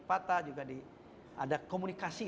patah ada komunikasi